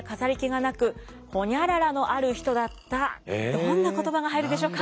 どんな言葉が入るでしょうか？